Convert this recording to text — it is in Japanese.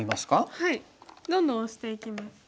はいどんどんオシていきます。